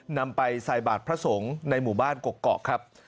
นำไปใส่บาทพระสงฆ์ในหมู่บ้านกกอกครับ